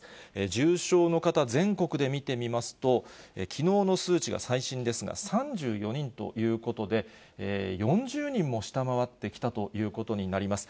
重症の方、全国で見てみますと、きのうの数値が最新ですが、３４人ということで、４０人も下回ってきたということになります。